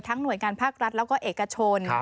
หน่วยงานภาครัฐแล้วก็เอกชน